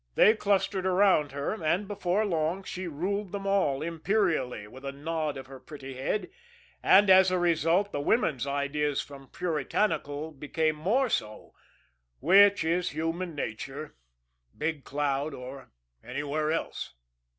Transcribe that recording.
They clustered around her, and, before long, she ruled them all imperially with a nod of her pretty head; and, as a result, the women's ideas from puritanical became more so which is human nature, Big Cloud or anywhere else.